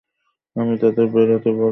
আমি তাদের বের হতে বলবো।